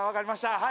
はい。